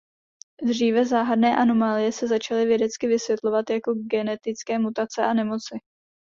Dříve záhadné anomálie se začali vědecky vysvětlovat jako genetické mutace a nemoci.